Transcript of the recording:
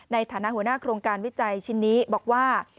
ในฐานะหัวหน้าโครงการวิจัยชิ้นนี้บอกว่า